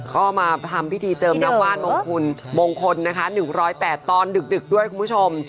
ก็มาทำพิธีเจิมน้ำวาดมงคลมงคลนะคะ๑๐๘ตอนดึกด้วยคุณผู้ชม